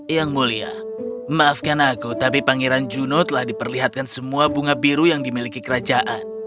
yang mulia maafkan aku tapi pangeran juno telah diperlihatkan semua bunga biru yang dimiliki kerajaan